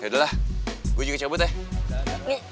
yaudah lah gue juga cabut ya